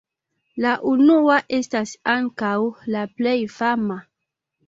La unua estas ankaŭ la plej fama.